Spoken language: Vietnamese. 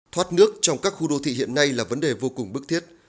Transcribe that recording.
thoát nước trong các khu đô thị hiện nay là vấn đề vô cùng bức thiết